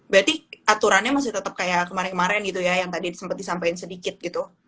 berarti aturannya masih tetap kayak kemarin kemarin gitu ya yang tadi sempat disampaikan sedikit gitu